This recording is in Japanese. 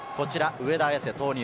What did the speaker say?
上田綺世、投入。